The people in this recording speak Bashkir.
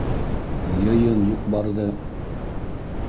Йыйын юҡ-барҙы...